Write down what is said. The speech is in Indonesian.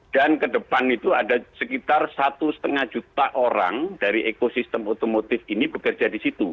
dan ke depan itu ada sekitar satu lima juta orang dari ekosistem otomotif ini bekerja di situ